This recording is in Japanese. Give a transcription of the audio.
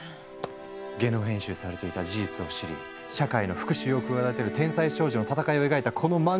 ゲノム編集されていた事実を知り社会への復しゅうを企てる天才少女の戦いを描いたこの漫画！